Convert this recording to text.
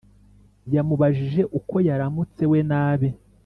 yamubajije uko yaramutse we nabe